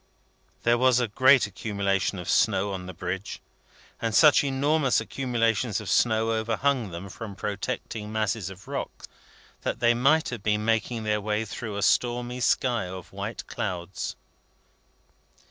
There was a great accumulation of snow on the Bridge; and such enormous accumulations of snow overhung them from protecting masses of rock, that they might have been making their way through a stormy sky of white clouds.